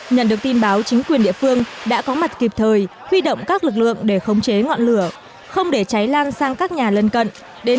nhận được tin báo chính quyền địa phương đã có mặt kịp thời huy động các lực lượng để khống chế ngọn lửa không để cháy lan sang các nhà lân cận